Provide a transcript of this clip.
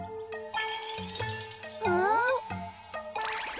うん？